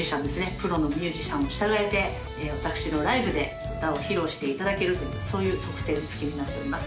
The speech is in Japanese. プロのミュージシャンを従えて私のライブで歌を披露していただけるというそういう特典付きになっております